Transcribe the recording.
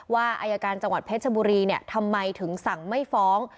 อายการจังหวัดเพชรบุรีทำไมถึงสั่งไม่ฟ้อง